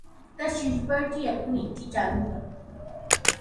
তার শেষ বাড়িটি এখন একটি জাদুঘর।